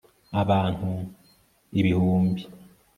abantu ibihumbi